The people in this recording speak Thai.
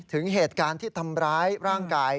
ถึงเหตุการณ์ที่ทำร้ายร่างกาย